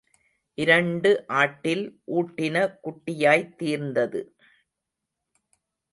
இரண்டு ஆட்டில் ஊட்டின குட்டியாய்த் தீர்ந்தது.